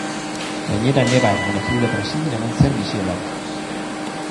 Gainera, neba Hermenegildo Brasilen egon zen misiolari.